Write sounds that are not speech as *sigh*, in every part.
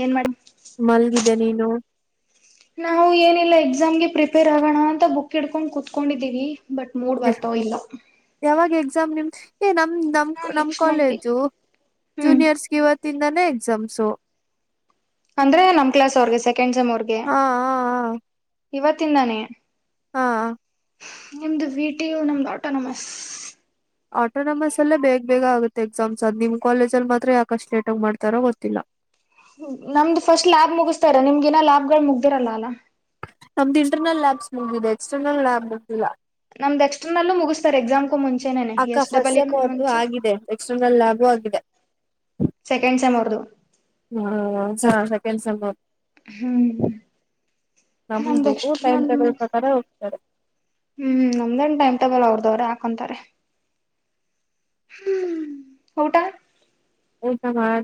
ಏನ ಮಾಡ. ಮಲಗಿದ್ದೆ ನೀನು. ನಾವು ಏನಿಲ್ಲ ಎಕ್ಸಾಮ್ಗೆ ಪ್ರಿಪೇರ್ ಆಗೋಣ ಅಂತ ಬುಕ್ ಹಿಡ್ಕೊಂಡು ಕುೂತ್ಕೊಂಡಿದ್ದೀವಿ. ಬಟ್ ಮೂಡ್ ಬರ್ತಾ ಇಲ್ಲ. ಯಾವಾಗ ಎಕ್ಸಾಮ್ ನಿಮ್ದ ಏ ನಮ್ದ ನಮ ನಮ್ ನೆಕ್ಸ್ಟ್ ಮಂಡೆ ಕಾಲೇಜು ಹ್ಮ್ ಜೂನಿಯರ್ಸ್ಗೆ ಇವತ್ತು. ತಿಂದಾನೇ ಎಕ್ಸಾಮ್ಸು. ಅಂದ್ರೆ ನಮ್ಮ ಕ್ಲಾಸ್ ಅವರ್ಗೆ ಸೆಕೆಂಡ್ ಸೆಮ್ ಅವರ್ಗೆ ಹಾ ಇವತ್ತಿಂದಾನೇ. ಹಾಹಾ. ನಿಮ್ದು ವಿ ಟಿ ಯು ನಮ್ದ ಆಟೋನಮಸ್. ಆಟೋನಮಸ್ ಅಲ್ಲೇ ಬೇಗ ಬೇಗ ಆಗುತ್ತೆ ಎಕ್ಸಾಮ್ಸ್ ಅದು ನಿಮ್ಮ ಕಾಲೇಜ ಅಲ್ಲಿ ಮಾತ್ರ ಯಾಕಷ್ಟ ಲೇಟ್ ಆಗಿ ಮಾಡ್ತಾರೋ ಗೊತ್ತಿಲ್ಲ. ನಮ್ದ ಫಸ್ಟ್ ಲ್ಯಾಬ್ ಮುಗಿಸತಾರ ನಿಮಗಿನ ಲ್ಯಾಬ್ ಗಳು ಮುಗ್ದಿರಲ್ಲ ಅಲ್ಲ. ನಮ್ದ ಇಂಟರ್ನಲ್ಯಾಬ್ಸ್ ಮುಗದೀದೆ ಎಕ್ಸ್ಟರ್ನಲ್ಯಾಬ್ ಮುಗದಿಲ್ಲ. ನಮ್ದು ಎಕ್ಸ್ಟರ್ನಲ್ಲೂ ಮುಗಿಸ್ತಾರೆ ಎಕ್ಸಾಮ್ಕೂ ಮುಂಚೆನೇನೆ ಅಕ್ಕ ಎಸ್ ಫಸ್ಟ್ ಡಬಲ್ ಸೆಮ್ ಇಕು ಅವ್ರದು ಮುಂಚೆ. ಆಗಿದೆ ಎಕ್ಸ್ಟರ್ನಲ್ ಲ್ಯಾಬು ಆಗಿದೆ. ಸೆಕೆಂಡ್ ಸೈಮ ಅವ್ರದು. ಹ್ಮ ಹಾ ಸೆಕೆಂಡ್ ಸೇಮ್ ಅವರದು. ಹ್ಮ್ ನಮ್ದು ಟೈಮ್ ಟೇಬಲ್ ಪ್ರಕಾರ ಹೋಗ್ತಾರೆ. ಹ್ಮ್ ನಮ್ದೇನ ಟೈಮ್ ಟೇಬಲ್ ಅವ್ರದ ಅವರೇ ಹಾಕೊಂತಾರೆ. ಹ್ಮ್ ಊಟ. ಊಟ ಮಾಡ.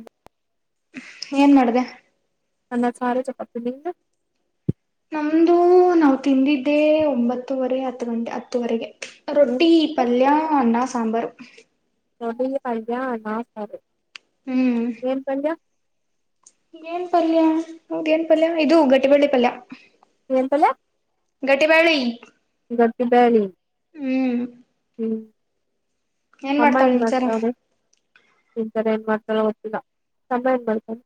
ಏನ್ ಮಾಡ್ದೆ. ಅನ್ನ ಸಾರು ಚಪಾತಿ ನಿಂದು. ನಮ್ದು ನಾವ ತಿಂದಿದ್ದೆ ಒಂಬತ್ತುವರೆ ಹತ್ತ ಗಂಟೆ ಹತ್ತುವರೆಗೆ ರೊಟ್ಟಿ. ಪಲ್ಯ ಅನ್ನ ಸಾಂಬಾರ. ರೊಟ್ಟಿ ಪಲ್ಯ ಅನ್ನ ಸಾರು. ಹ್ಮ್. ಏನ ಪಲ್ಯ. ಏನ ಪಲ್ಯ ಹೌದ ಪಲ್ಯ ಇದು ಗಟ್ಟಿ ಬೆಳೆ ಪಲ್ಯ. ಏನ ಪಲ್ಯ ಗಟ್ಟಿಬಳ್ಳಿ ಗಟ್ಟಿ ಬ್ಯಾಳಿ. ಹ್ಮ್ ಹ್ಮ್ ಏನ್ ಅಮ್ಮ ಮಾಡ್ತಾಳ ಏನ ನಿಮ್ಸರ ಮಾಡ್ತಾವರೆ. ತಿನ್ನತರೋ ಏನ ಮಾಡ್ತಾರೊ ಗೊತ್ತಿಲ್ಲ ತಮ್ಮ ಏನು ಮಾಡ್ತಾರೆ.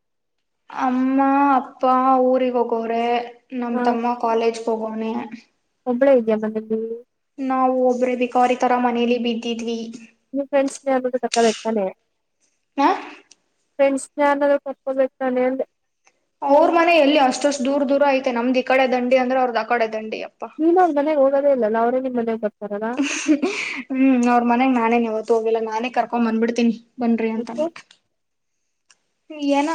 ಅಮ್ಮ ಅಪ್ಪ ಊರಿಗೆ ಹೋಗವ್ರೆ ನಮ್ಮ ಹ ತಮ್ಮ ಕಾಲೇಜ್ಗೆ ಹೋಗೌನೆ. ಒಬ್ಬಳೇ ಇದೆಯಾ ಮನೇಲಿ? ನಾವು ಒಬ್ರ ಬಿಕಾರಿ ತರ ಮನೇಲಿ ಬಿದ್ದಿದ್ವಿ. ನೀ ಫ್ರೆಂಡ್ಸ್ನ ಅನ್ನೋದು ತಕ್ಕಬೇಕು ತಾನೇ. ಹ ಫ್ರೆಂಡ್ಸ್ ಜನರು ಕರ್ಕೋಬೇಕತಾನೆ. ಅವ್ರ ಮನೆ ಎಲ್ಲಿ ಅಷ್ಟು ದೂರ ದೂರ ಐತೆ ನಮ್ದ ಈಡೆ ದಂಡಿ ಅಂದ್ರೆ ಅವ್ರದ್ ಆ ಕಡೆ ದಂಡಿ ಅಪ್ಪಾ. ಇಲ್ಲ ಅವರ ಮನೆಗೆ ಹೋಗದೆ ಇಲ್ಲ ಅವ್ರರಿಗ ಮನೆಗೆ ಹ ಬರ್ತಾರಲ್ಲ. ಹ್ಮ್ ಅವ್ರ ಮನೆಗ ನಾನೇವತ್ತು ಹೋಗಿಲ್ಲ ನಾನೇ ಕರ್ಕೊಂಡು ಬಂದಬಿಡ್ತೀನಿ. ಬನ್ರೀ ಅಂತ ಮತ್ತೆ ಅನ್ಬಿಟ್ಟು ಏನೋ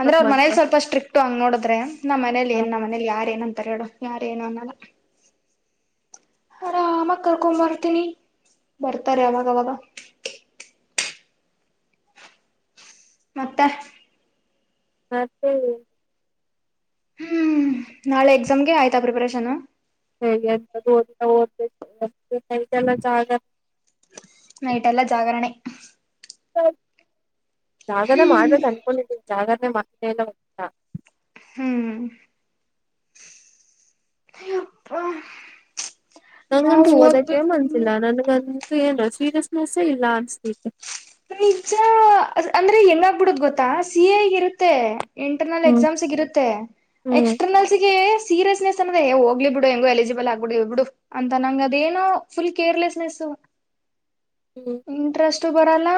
ಅಂದ್ರೆ ಅವ್ರ ಮನ್ಸ ಮೇಲಿ ಸ್ವಲ್ಪ ಸ್ಟ್ರಿಕ್ಟ್ ಹಂಗ ನೋಡ್ರೆ ನಮ್ಮ ಮನೇಲಿ ಏನ್ ನಮ್ಮ ಮನೇಲಿ ಯಾರ ಏನ್ ಅಂತಾರ ಹೇಳು. ಯಾರೇನು ಅನಲ್ಲ. ಹರಾ ಅಮಾಗ ಕರ್ಕೊ ಬರ್ತೀನಿ. ಬರ್ತಾರೆ ಅವಾಗ ಅವಾಗ ಮತ್ತೆ ಮತ್ತ *unintelligible* ಹ್ಮ್ ನಾಳೆ ಎಕ್ಸಾಮ್ಗೆ ಆಯ್ತಾ ಪ್ರಿಪರೇಷನ್. ಹೇಗೆ ಎಂತ ದಲ್ಲ ಜಾಗ. *inaudible* ನೈಟ್ ಎಲ್ಲ ಜಾಗರಣೆ. ಜಾಗರಣೆ ಹ್ಮ್ ಮಾಡ್ಬೇಕ ಅನ್ಕೊಂಡಿದ್ದೀ ಜಾಗರಣೆ ಮಾಡ್ತಲ್ಲ. *inaudible* ಹ್ಮ್ ಯಪ್ಪ ನಂಗಗಂತೂ ಓದಕ್ಕೆ ಮನ್ಸಿಲ್ಲ ನನ್ಗಂತೂ ಏನ್ ಸೀರಿಯಸ್ನೆಸ್ಸೇ ಇಲ್ಲ ಅನ್ಸ್ತಿು ನಿಜ ಅಂದ್ರೆ ಹೆಂಗಾಗಬಿಡದ್ ಗೊತ್ತಾ ಸಿಹಾಗಿ ಇರುತ್ತೆ ಇಂಟರ್ನಲ್ ಹ್ಮ್ ಎಕ್ಸಾಮ್ಸ್ಗ ಇರುತ್ತೆ ಹ್ಮ್ ಎಕ್ಸ್ಟರ್ನಲ್ಸ್ಗೆ ಸೀರಿಯಸ್ನೆಸ್ ಅದೇ ಹೋಗ್ಲಿ ಬಿಡು ಹೆಂಗು ಎಲಿಜಿಬಲ್ ಆಗ್ಬಿಡಿ ಇ ಬಿಡು ಅಂತ ನಂಗ ಅದೇನೋ ಫುಲ್ ಕೇರ್ಲೆಸ್ನೆಸ್ ಹ್ಮ್ ಇಂಟ್ರೆಸ್ಟ್ ಬ ಲ್ಲಾ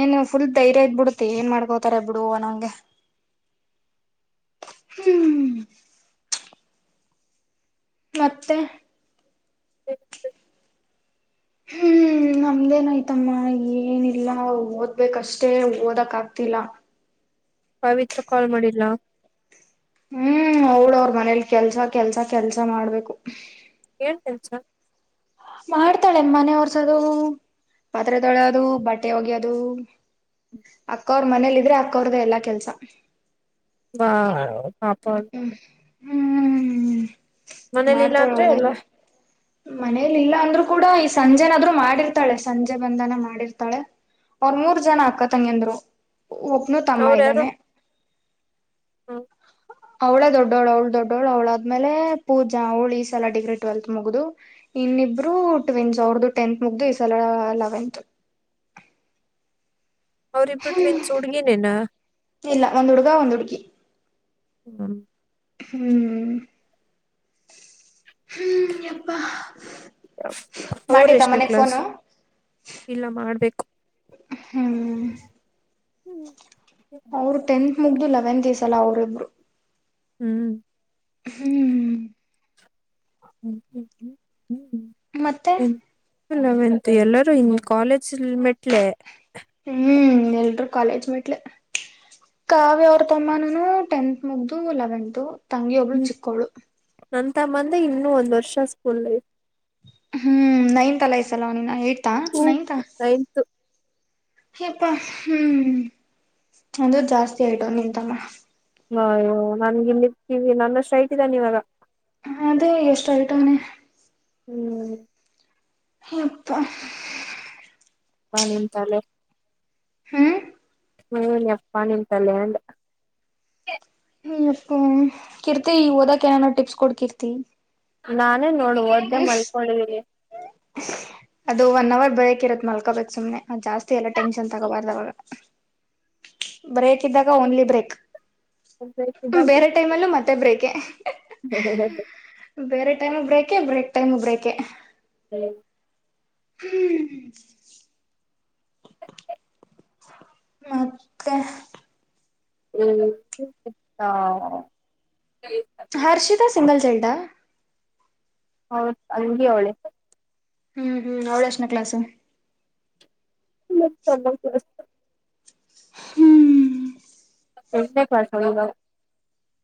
ಏನ್ ಫುಲ್ ಧೈರ್ಯ ಇದಬಿಡುತ್ತೆ ಏನ್ ಮಾಡ್ಕೋತಾರೆ ಬಿಡುವ ನಂಗೆ ಹ್ಮ್ ಹ್ಮ್ ಮತ್ತೆ ಹ *inaudible* *unintelligible* ಹ್ಮ್್ಮ ನಮ್ದೇನ್ ಆಯ್ತಮ್ಮ ಏನಿಲ್ಲ ಓದ್ಬೇಕಷ್ಟೇ ಓದಕ್ ಆಗ್ತಿಲ್ಲ ಪವಿತ್ರ ಕಾಲ್ ಮಾಡಿದ್ಲ ಹ್ಮ್ ಅವಳವ್ರ ಮನೇಲಿ ಕೆಲ್ಸ ಕೆಲ್ಸ ಕೆಲ್ಸ ಮಾಡ್ಬೇಕು ಏನ್ ಕೆಲಸ ಮಾಡ್ತಾಳೆನ್ ಮನವರ್ಸದು ಪಾತ್ರೆ ತೊಳದು ಬಟ್ಟೆ ಹೋಗಿದು ಅಕ್ಕವ್ರ ಮನೇಲಿ ಇದ್ರೆ ಅಕ್ಕವ್ರದೇ ಎಲ್ಲಾ ಕೆಲ್ಸ. ಹಾ *inaudible* ಹ್ಮ್ ಮನೇಲಿಲ್ಲ ಮಾಡ್ತಾಳ ಅಂದ್ರೆ ಎಲ್ಲ ಅವಳಲ್ಲ ಮನೇಲಿ ಇಲ್ಲ ಅಂದ್ರು ಕೂಡ ಈ ಸಂಜೆನಾದ್ರು ಮಾಡಿರ್ತಾಳೆ ಸಂಜೆ ಬಂದನ ಮಾಡಿರ್ತಾಳೆ ಅವ್ರ ಮೂರ್ ಜನ ಅಕ್ಕತಂಗಂದ್ರು ಒಬ್ನು ತಮ್ಮ ಇದ್ದಾನೆ ಹಾ. ಅವಳೇ ದೊಡ್ಡವಳ ಅವಳು ದೊಡ್ಡವಳ ಅವ್ಳಾದ್ಮೇಲೆ ಪೂಜಾ ಅವಳ ಈ ಸಲ ಡಿಗ್ರಿ ಟ್ವೆಲ್ತ್ ಮುಗ್ದು. ಇನ್ನಿಬ್ರು ಟ್ವಿನ್ಸ್ ಅವ್ರದು ಟೆಂತ್ ಮುಗ್ದು ಈ ಸಲ ಲೆವೆಂತ್. ಅವರಿಬ್ರು ಟ್ವೆನ್ಸ್ ಹುಡ್ಗಿನೇನಾ. ಇಲ್ಲ ಒಂದ ಹುಡುಗ ಒಂದ ಹುಡ್ಗಿ. ಹ್ಮ್. ಹ್ಮ್. ಹ್ಮ್ ಎಪ್ಪಾ. ಅವ್ರ ಎಷ್ಟನೆ ಕ್ಲಾಸ್ ಇಲ್ಲ ಮಾಡ್ಬೇಕ. ಹ್ಮ್. ಹ್ಮ್. ಅವರು ಟೆಂತ್ ಮುಗ್ದು ಲೆವೆಂತ್ ಈ ಸಲ ಅವ್ರಿಬ್ರು. ಹ್ಮ್. ಹ್ಮ್ ಮತ್ತೆ. ಲೆವೆಂಥ್ ಎಲ್ಲರೂ ಇನ್ ಕಾಲೇಜ ಮೆಟ್ಲೆ. ಹ್ಮ್ ಎಲ್ರು ಕಾಲೇಜ್ ಮಟ್ಲೆ. ಕಾವ್ಯ ಅವರ ತಮ್ಮನನು ಟೆಂತ್ ಮುಗ್ದು ಲೆವೆಂತೂ ತಂಗಿ ಒಬ್ಳು ಚಿಕ್ಕವಳು. ನನ್ನ ತಮ್ಮಂದೇ ಇನ್ನುೂ ಒಂದ ವರ್ಷ ಸ್ಕೂಲ್ ಐತ. ಹ್ಮ ನೈಂತ ಅಲ್ಲ ಈ ಸಲ ಅವನ ಇನ್ನ ಏಡ್ತಾ ನೈಂತಾ. ನೈನ್ತ್ ಎಪ್ಪ ಹ್ಮ್ ಅಂದ್ರು ಜಾಸ್ತಿ ಹೈಟ್ ಅವನ ನಿಮ್ಮ ತಮ್ಮ. ಅ ಅಯ್ಯೋ ನನ್ಗೆ ಇತೀವಿ ನನ್ನಷ್ಟ ಹೈಟ್ ಇದನ ಇವಾಗ. ಅದೇ ಎಷ್ಟ ಹೈಟ್ ಅವನ್ನೇ. ಹ್ಮ್. ಯಪ್ಪಾ. *unintelligible* ಹ್ಮ್. ಹ್ಮ ಎಪ್ಪ ನಿನ್ನ ತಲೆ ಅಂದೇ. ಹ್ಮ ಎಪ್ಪ ಕೀರ್ತಿ ಓದಕ ಏನನ ಟಿಪ್ಸ್ ಕೊಡ ಕೀರ್ತಿ. ನಾನೇ ನೋಡ ಒದ್ದೆ ಮಲ್ಕೊಂಡಿದ್ದೀನಿ. *unintelligible* ಅದು ಒನ್ ಅವರ್ ಬ್ರೇಕ್ ಇರತ್ತ ಮಲ್ಕೋಬೇಕ ಸುಮ್ನೆ ಜಾಸ್ತಿ ಎಲ್ಲ ಟೆನ್ಷನ್ ತಗೋಬಾರ್ದ ಅವಾಗ. ಬ್ರೇಕ್ ಇದ್ದಾಗ ಓನ್ಲಿ ಬ್ರೇಕ್. ಬೇಕಿದ್ದಾಗ ಬೇರೆ ಟೈಮಲ್ಲೂ ಮತ್ತೆ ಬ್ರೇಕೆ. ಬೇರೆ ಟೈಮ್ ಬ್ರೇಕೇ ಬ್ರೇಕ್ ಟೈಮು ಬ್ರೇಕೆ. ಹಲೋ. ಹ್ಮ್. ಮತ್ತೆ. *unintelligible* Harshita single child. ಅವರ ತಂಗಿ ಅವಳೇ. ಹ್ಮ್ ಹ್ಮ್ ಅವಳ ಎಸ್ಟ್ನೆ ಕ್ಲಾಸು. *unintelligible* ಹ್ಮ್ ಎಷ್ಟೇ ಕ್ಲಾಸ್ ಹೇಳೋದ್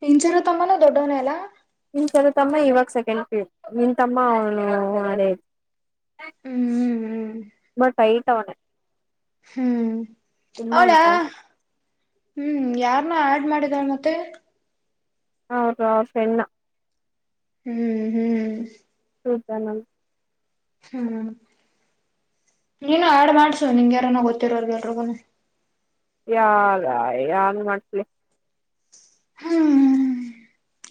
ಇಂಚರಾ ತಮ್ಮನು ದೊಡ್ಡವನೆ ಅಲ್ಲ ನನ್ನ ತಮ್ಮ ಇವಾಗ ಸೆಕೆಂಡ್ ಪಿಯು ನಿನ್ ತಮ್ಮ ಅವನು ಅದೇ ಹ್ಮ್ ಹ್ಮ್ ಬಟ್ ಹೈಟ್ ಅವ್ನೆ. ಹ್ಮ್ ಅವಳ. ಹ್ಮ್ ಯಾರ್ನ ಆಡ್ ಮಾಡಿದ್ದಾರೆ ಅಂತೇ ಹೌದು ಅವಫ್ರೆಲ್ಲ ಹ್ಮ್ ಹ್ಮ್. *unintelligible* ಹ್ಮ್ ನೀನು ಆಡ್ ಮಾಡ್ಸು ನಿಂಗೆ ಯಾರನ ಗೊತ್ತಿರೋರ್ಗೆಲ್ಗೂ. ಯಾರ್ ಯಾರನ್ನ ಮಾಡ್ಸ್ಲಿ.. ಹ್ಮ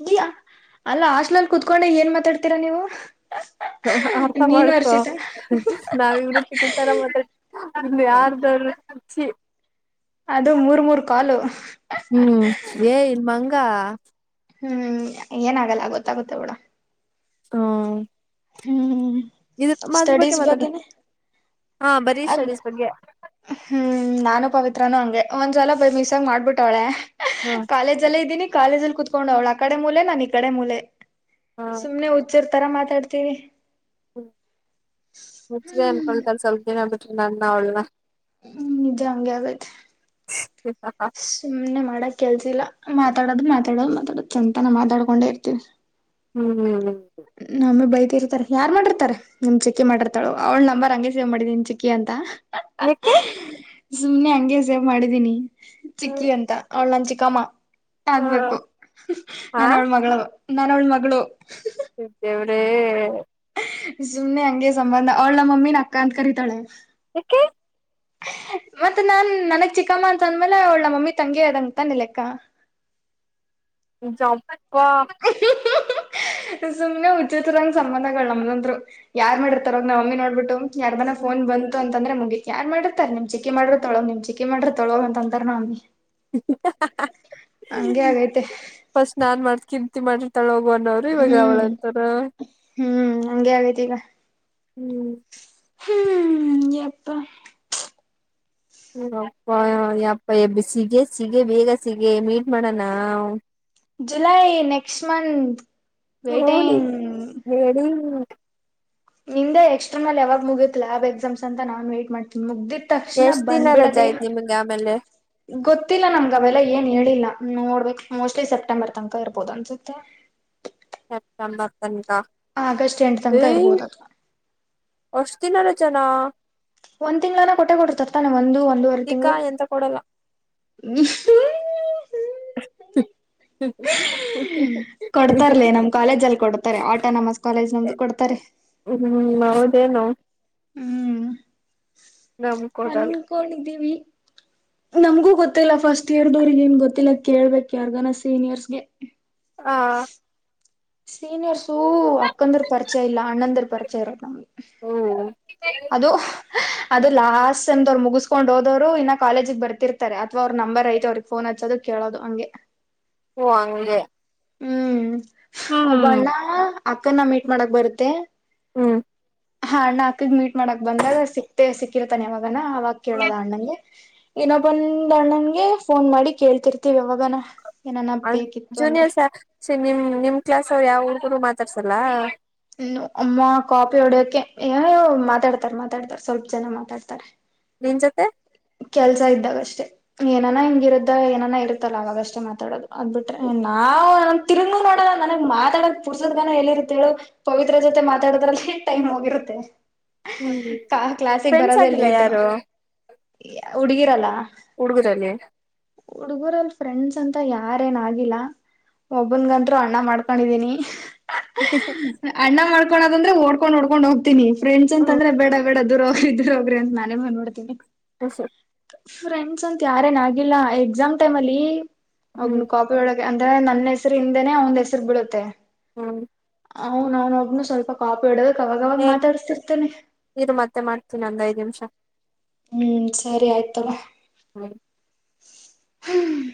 ಇಲ್ಲ *inaudible* ಅಲ್ಲ ಹಾಸ್ಲಲ್ ಕುೂತ್ಕೊಂಡ ಏನ್ ಮಾತಾಡ್ತೀರಾ ನೀವು *unintelligible* *unintelligible* ಆರ್ತ ನೀನು ಮಾಡಕೊ ಹರ್ಷಿತಾ. *unintelligible* ನಾವ ಇವರು ತಿಕಲ್ ತರ ಮಾತಡ ಇನ್ನು ಯಾರ್ದ ಹುಚ್ಚಿ ಅದು ಮೂರ್ ಮೂರ್ ಕ್ವಾಲ ಹ್ಮ್ ಎನ್ ಮಂಗ ಹ್ಮ್ ಏನಾಗಲ್ಲ ಗೊತ್ತಾಗುತ್ತೆ ಬಿಡು *unintelligible* ಹ್ಮ ಇದ್ರ ಅದ್ರ ಬಗ್ಗೆ ಸ್ಟಡೀಸ್ ಮಾತಾಡ ಬಗ್ಗೆನೆ. ಹಾ ಬರೀ ಅದ್ ಸ್ಟಡೀಸ್ ಬಗ್ಗೆ. ಹ್ಮ್ ನಾನು ಪವಿತ್ರನು ಹಂಗೆ ಒಂದ್ಲ ಬೈ ಮಿಸ್ ಆಗಿ ಮಾಡ್ಬಿಟ್ಟವಳೆ. ಹ *unintelligible* ಕಾಲೇಜ ಅಲ್ಲೇ ಇದ್ದಿನಿ ಕಾಲೇಜ ಅಲ್ಲಿ ಕುೂತ್ಕೊಂಡ ಅವ್ಳು ಆ ಕಡೆ ಮೂಲೆ ನಾನು ಈ ಕಡೆ ಮೂಲೆ. ಹ ಸುಮ್ನೆ ಹುಚ್ಚಿರ್ತರ ಮಾತಾಡ್ತೀವಿ. *inaudible* ಹ್ಮ್ ಹುಚ್ಚರೇ ಅನ್ಕೊಳ್ತಾರೆ ಹ್ಮ್ ಸ್ವಲ್ಪ ದಿನ ಬಿಟ್ರಿ ನನ್ನ ಅವಳನ.. ಹ್ಮ್ ನಿಜ ಹಂಗೆ ಆಗತ್ತೆ ಸುಮ್ಮ್ನೆ ಮಾಡಕ್ ಕೆಲ್ಸಿಲ್ಲ ಮಾತಾಡದು ಮಾತಾಡೋದು ಮಾತಾಡೋದ್ ಸಂಜೆತನ ಮಾತಾಡ್ಕೊಂಡೆ ಇರ್ತೀವಿ. ಹ್ಮ್ ನಮ್ಮೆ ಬೈತಿ ಇರ್ತಾರೆ ಯಾರ್ ಮಾಡಿರ್ತಾರೆ. ನಮ್ಮ ಚಿಕ್ಕಿ ಮಾಡಿರ್ತಾಳ ಅವಳ ನಂಬರ್ ಹಂಗೆ ಸೇವ್ ಮಾಡಿದಿನ್ ಚಿಕ್ಕಿ ಅಂತ. ಏಕೆ ಸುಮ್ನೆ ಹಂಗೆ ಸೇವ್ ಮಾಡಿದೀನಿ ಚಿಕ್ಕಿ ಅಂತ ಅವಳ ನನ್ನ ಚಿಕ್ಕಮ್ಮ.. ಆಗ್ಬೇಕು ಹಾ ನಾನ ಅವಳ್ ಮಗಳು ನನ್ನ ಅವಳ್ ಮಗಳು. ದೇವ್ರೇ ಸುಮ್ನೆ ಹಂಗೆ ಸಂಬಂಧ ಅವಳ ನಮ್ಮ ಮಮ್ಮಿನ ಅಕ್ಕ ಅಂತ ಕರಿತಾಳೆ. ಯಾಕೆ *unintelligible* ಮತ್ತ ನಾನ್ ನನಗ್ ಚಿಕ್ಕಮ್ಮ ಅಂತ ಅಂದ್ಮೇಲೆ ಅವಳ ಮಮ್ಮಿ ತಂಗಿ ಅದಂಗ ತಾನೆ ಲೆಕ್ಕಾ. ಜಂಪ *unintelligible* ಸುಮ್ನೆ ಉಚತ್ರರಂಗ್ ಸಂಬಂಧಗಳು ನಮ್ದಂದ್ರು ಯಾರ್ ಮಾಡಿರ್ತಾರವ ನಾವ ಮಮ್ಮಿ ನೋಡ್ಬಿಟ್ಟು. ಯಾರದನ ಫೋನ್ ಬಂತು ಅಂದ್ರೆ ಅಂದ್ರೆ ಮುಗಿತ್ ಯಾರ್ ಮಾಡಿರತರ ನಿಮ್ ಚಿಕ್ಕಿ ಮಾಡಿರ್ತಾಳೋ ನಿಮ್ ಚಿಕ್ಕಿ ಮಾಡುತ್ತಾಳೋ ಅಂತಾರ ನಮ್ಮ ಮಮ್ಮಿ. *unintelligible* ಹಂಗೆ ಆಗೈತೆ ಫಸ್ಟ್ ನಾನ್ ಮಾಡತ್ ಕೀರ್ತಿ ಮಾಡ್ರಿತಾಳ ಹೋಗ ಅನ್ನೋ ಹ್ಮ್ *inaudible* ಹ್ಮ್ ಹಂಗೆ ಆಗೈತಿ ಈಗ. ಹ್ಮ್ ಹ್ಮ್ ಎಪ್ಪ ಹ ಅಪ್ಪ ಯಪ್ಪ ಸಿಗೆ ಸಿಗೆ ಬೇಗ ಸಿಗೆ ಮೀಟ್ ಮಾಡೋಣ. ಜುಲೈ ನೆಕ್ಸ್ಟ ಮಂತ್ ವೇಟಿಂಗ್ ಹೇಳಡಿ ನಿಂದೆ ಎಕ್ಸ್ಟರ್ನಲ್ ಯಾವಾಗ ಮುಗತ್ ಲ್ ಆಬ್ ಎಕ್ಸಾಮ್ಸ್ ಅಂತ ನಾನ್ ವೈಟ್ ಮಾಡ್ತೀನಿ ಮುಗ್ದಿತ್ ತಕ್ಷಣ ಎಷ್ಟ್ ದಿನ ರಜಾ ಬಂದ್ಬಿಡದೇ ಆಯ್ತ್ ನಿಮ್ಗೆ ಆಮೇಲೆ ಗೊತ್ತಿಲ್ಲ ನಮ್ಗ ಅವೆಲ್ಲ ಏನ್ ಹೇಳಿಲ್ಲ ನೋಡ್ಬೇಕಕ್ ಮೋಸ್ಟ್ಲಿ ಸೆಪ್ಟೆಂಬರ್ ತನಕ ಇರ್ಬೋದು ಅನ್ಸುತ್ತೆ ಸತ್ತಂಬತ್ತನಕ ಆಗಸ್ಟ್ ಎಂಟ್ ತನಕ ಇರ್ಬೋದು ಅ್ವಾ ಅಷ್ಟ ದಿನಾರ ಜನ ಒಂದ್ ತಿಂಗಗಳನ ಕೊಟ್ಟೆ ಕೊಡ ತರ್ತಾನೆ ಒಂದು ಒಂದುವರ್ ಟೀಕಾ ತಿಂಗಳು ಎಂತ ಕೊಡಲ್ಲ *inaudible* ಕೊಡ್ತಾರಲ ನಮ್ ಕಾಲೇಜ್ ಅಲ್ಲಿ ಕೊಡ್ತಾರೆ ಆಟೋನಮಸ್ ಕಾಲೇಜ್ ನಮ್ದು ಕೊಡ್ತಾರೆ ಹ್ಮ್ಹೌದೇನು ಹ್ಮ್ ನಮ್ ಕೊಡಲ್ಲ ಅನ್ಕೊಂಡಿದ್ದೀವಿ ನಮ್ಗೂ ಗೊತ್ತಿಲ್ಲ ಫಸ್ಟ್ ಇಯರ್ದವ್ರಗ ಏನ್ ಗೊತ್ತಿಲ್ಲ ಕೇಳ್ಬೇಕ ಯಾರ್ಗನ ಸೀನಿಯರ್ಸ್ಗೆ ಹ ಸೀನಿಯರ್ಸು *unintelligible* ಹ್ಮ್ ಅದು ಅದು ಲಾಸ್ಟ್ ಸೆಮ್ ಮುಗಿಸ್ಕೊಂಡ್ ಹೋದವ್ರು ಇನ್ನ ಕಾಲೇಜಗ್ ಬರ್ತಿರ್ತ ಅಥವಾ ಅವ್ರ ನಂಬರ್ ಐತೆ ಅವ್ರಿಗೆ ಫೋನ್ ಹಚ್ಚೋದು ಕೇಳೋದು ಹಂಗೆ ಹಓ ಹಂಗೆ ಹ್ಮ್ ಹ್ಮ್ ಒಬ್ಬಣ್ಣ ಅಕ್ಕನ ಮೀಟ್ ಮಾಡಕ್ ಬರುತ್ತೆ ಹ್ಮ್ ಹಾ ಅಣ್ಣ ಅಕ್ಕಗ್ ಮೀಟ್ ಮಾಡಕ್ ಬಂದಾಗ ಸಿಕ್ತೆ ಸಿಕ್ಕಿರತಾನೆ ಯಾವಾಗನ ಅವಾಗ ಕೇಳೋದ ಅಣ್ಣನನ್ಗೆ ಇನೊಬ್ಬಂದ ಅಣ್ಣನ್ಗೆ ಫೋನ್ ಮಾಡಿ ಕೇಳ್ತಿರ್ತಿವಿ ಯಾವಗಾನ ಅ ಜೂನಿಯರ್ಸ್ ನಿಮ್ ನಿಮ್ ಕ್ಲಾಸ್ ಅವ್ರು ಯಾವ ಹುಡುಗರು ಮಾತಾಡ್ಸಲ್ಲಾ ಇನ್ನು ಅಮ್ಮ ನಿನ್ ಜೊತೆ ಕೆಲ್ಸ ಇದ್ದಾಗ ಅಷ್ಟೆ ಏನಾನ ಹಿಂಗಿರುದ್ದ ಏನನಾ ಇರುತ್ತಲ್ಲ ಅವವಾಗಷ್ಟೇ ಮಾತಾಡೋದು ಅದ್ಬಿಟ್ರೆ ನಾವು ತಿರುಗೋ ನೋಡೋಣ ನನಗ್ ಮಾತಾಡಕ್ ಪುರ್ಸೋದ ಗನ ಎಲ್ಲಿ ಇರುತ್ತೇಳು ಪವಿತ್ರ ಜೊತೆ ಮಾತಾಡದ್ರಲ್ಲಿ ಟೈಮ್ ಹೋಗಿರುತ್ತೆ ಹ್ಮ್ ಕ ಕ್ಲಾಸಿಗೆ ಫ್ರೆಂಡ್ಸ್ ಬರೋದಲ್ಲ ಆಗಿಲ್ಲ ಲೇಟು ಯಾರು ಹುಡುಗಿರಲ್ಲ ಹುಡುಗರಲ್ಲಿ ಹುಡುಗರಲ್ಲಿ ಫ್ರೆಂಡ್ಸ್ ಅಂತ ಯಾರೇಏನ ಆಗಿಲ್ಲ ಹ್ಮ್ ಒಬ್ಬನ್ಗಂರು ಅಣ್ಣ ಮಾಡ್ಕ ಕೊಂಡಿದೀನಿ *inaudible* ಅಣ್ಣ ಮಾಡ್ಕೋ ಅದಂದ್ರೆ ಓದ್ಕೊಂಡ್-ಓಡ್ಕೊಂಡ್ ಹೋಗ್ತನಿ ಫ್ರೆಂಡ್ಸ್ ಹ್ಮ್ ಅಂದ್ರೆ ಬೇಡ ಬೇಡ ದೂರ ಹೋಗ್ರಿ ಹೋಗ್ರಿ ಅಂತ ನಾನೇ ಬಂಧ್ಬಿಡ್ತೀನಿ ಹಸ ಫ್ರೆಂಡ್ಸ್ ಅಂತ ಯಾರೇನ ಆಗಿಲ್ಲ ಎಕ್ಸಾಮ್ ಟೈಮ್ ಅಲ್ಲಿ ಹ್ಮ್ ಅವ ಕ ಳಗೆ ಅಂದ್ರೆ ನನ್ನ ಹೆಸರು ಹಿಂದೇನೆ ಅವಂದ್ ಹೆಸರು ಬೀಡುತ್ತೆ ಹ್ಮ ಹ ನಾನ *unintelligible* ಇದು ಮತ್ತೆ ಮಾಡ್ತೀನ ಒಂದ್ ಐದು ನಿಮಿಷ ಸರಿ ಆಯ್ತು ತಗೋ ಹಾ ಹ್ಮ್.